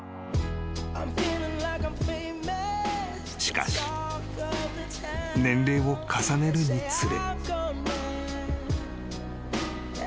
［しかし年齢を重ねるにつれ］